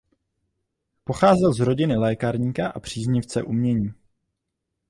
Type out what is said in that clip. Pocházel z rodiny lékárníka a příznivce umění.